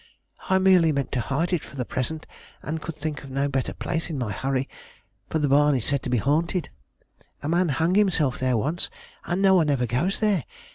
I merely meant to hide it for the present, and could think of no better place in my hurry; for the barn is said to be haunted a man hung himself there once and no one ever goes there.